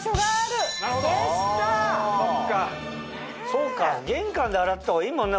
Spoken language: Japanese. そうか玄関で洗ったほうがいいもんね